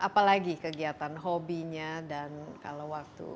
apalagi kegiatan hobinya dan kalau waktu